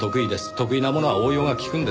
得意なものは応用が利くんです。